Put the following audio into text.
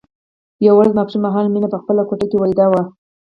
یوه ورځ ماسپښين مهال مينه په خپله کوټه کې ويده وه